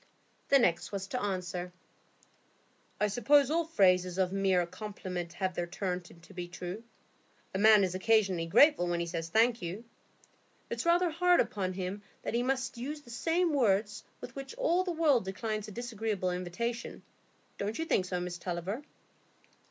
The next was to answer,— "I suppose all phrases of mere compliment have their turn to be true. A man is occasionally grateful when he says 'Thank you.' It's rather hard upon him that he must use the same words with which all the world declines a disagreeable invitation, don't you think so, Miss Tulliver?"